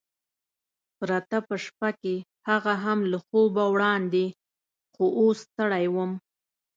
پرته په شپه کې، هغه هم له خوبه وړاندې، خو اوس ستړی وم.